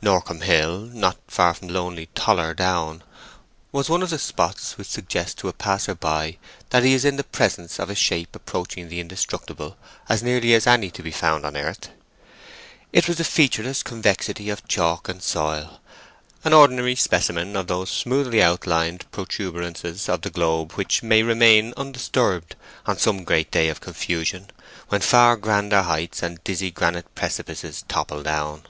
Norcombe Hill—not far from lonely Toller Down—was one of the spots which suggest to a passer by that he is in the presence of a shape approaching the indestructible as nearly as any to be found on earth. It was a featureless convexity of chalk and soil—an ordinary specimen of those smoothly outlined protuberances of the globe which may remain undisturbed on some great day of confusion, when far grander heights and dizzy granite precipices topple down.